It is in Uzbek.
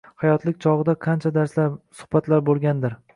hayotlik chog‘ida qancha darslar, suhbatlar bo‘lgandir.